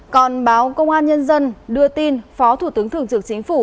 còn báo công an nhân dân đưa tin phó thủ tướng thường trực chính phủ